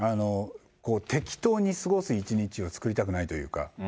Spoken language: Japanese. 適当に過ごす一日を作りたくないというか。